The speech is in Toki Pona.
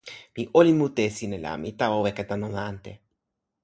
mi olin mute e sina, la mi tawa weka tan ona ante.